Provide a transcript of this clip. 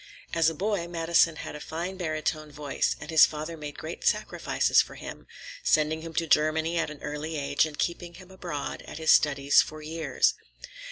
As a boy Madison had a fine barytone voice, and his father made great sacrifices for him, sending him to Germany at an early age and keeping him abroad at his studies for years.